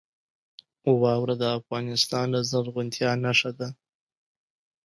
واوره د افغانستان د زرغونتیا نښه ده.